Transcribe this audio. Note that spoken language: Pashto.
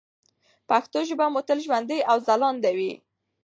پښتو ژبه مو تل ژوندۍ او ځلانده وي.